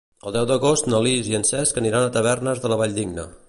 El deu d'agost na Lis i en Cesc aniran a Tavernes de la Valldigna.